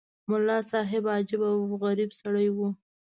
ملا صاحب عجیب او غریب سړی وو.